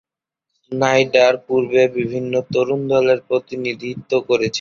Snyder পূর্বে বিভিন্ন তরুন দলের প্রতিনিধিত্ব করেছেন।